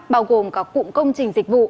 bao gồm cả cụm công trình dịch vụ